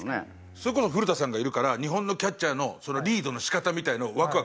それこそ古田さんがいるから日本のキャッチャーのリードの仕方みたいなのをワクワクするじゃないですか。